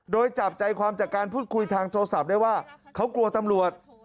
โดยจับใจความจากการพูดคุยทางโทรศัพท์ได้ว่าเขากลัวตำรวจ